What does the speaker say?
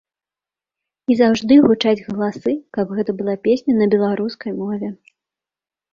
І заўжды гучаць галасы, каб гэта была песня на беларускай мове.